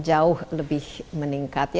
jauh lebih meningkat